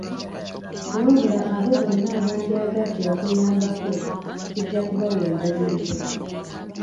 Wabula abo bonna abandyagadde okuyambako tujja kubawa endagiriro.